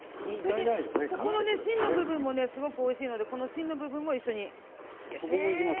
芯の部分もおいしいので芯の部分も一緒に。